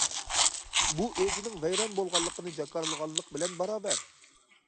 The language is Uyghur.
بۇ ئۆزىنىڭ ۋەيران بولغانلىقىنى جاكارلىغانلىق بىلەن باراۋەر.